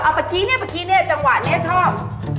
เอาปะกี้เนี่ยจังหวะเนี่ยชอบ